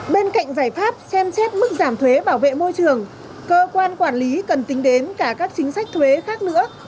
bên cạnh giải pháp xem xét mức giảm thuế bảo vệ môi trường cơ quan quản lý cần tính đến cả các chính sách thuế khác nữa